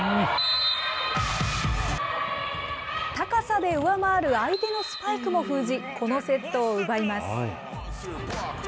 高さで上回る相手のスパイクも封じ、このセットを奪います。